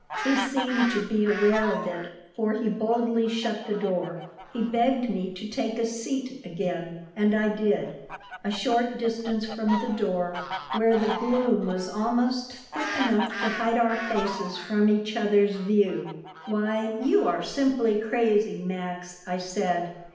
He seemed to be aware of it, for he boldly shut the door. He begged me to take a seat again, and I did, a short distance from the door, where the gloom was almost thick enough to hide our faces from each other's view "Why, you are simply crazy, Max!" I said.